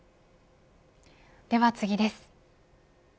では次です。